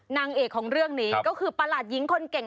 นางเอกของเรื่องนี้ก็คือประหลาดหญิงคนเก่ง